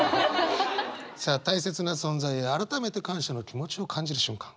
さあ大切な存在へ改めて感謝の気持ちを感じる瞬間。